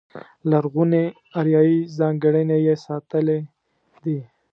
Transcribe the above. لرغونې اریایي ځانګړنې یې ساتلې دي.